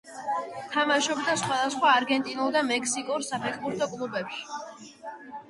თამაშობდა სხვადასხვა არგენტინულ და მექსიკურ საფეხბურთო კლუბებში.